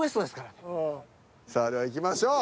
さあではいきましょう。